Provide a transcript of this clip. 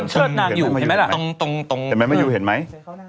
เห็นไหมไม่อยู่เห็นไหม